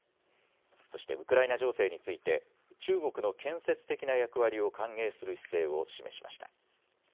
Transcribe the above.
そしてウクライナ情勢について中国の建設的な役割を歓迎する姿勢を示しました。